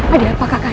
ada apa kak kanda